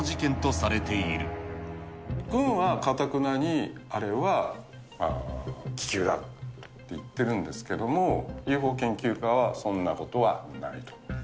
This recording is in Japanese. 軍はかたくなに、あれは気球だって言ってるんですけども、ＵＦＯ研究家は、そんなことはないと。